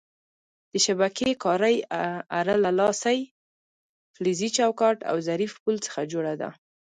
د شبکې کارۍ اره له لاسۍ، فلزي چوکاټ او ظریف پل څخه جوړه ده.